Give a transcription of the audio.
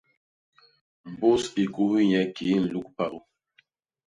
Mbus i kuhi nye kii nluk pagô.